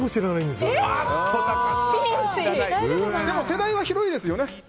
でも世代は広いですよね。